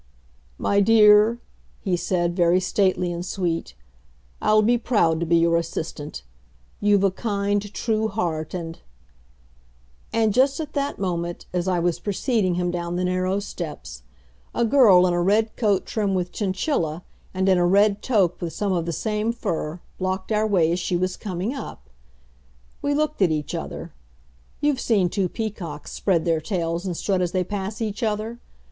"My dear," he said, very stately and sweet, "I'll be proud to be your assistant. You've a kind, true heart and " And just at that minute, as I was preceding him down the narrow steps, a girl in a red coat trimmed with chinchilla and in a red toque with some of the same fur blocked our way as she was coming up. We looked at each other. You've seen two peacocks spread their tails and strut as they pass each other?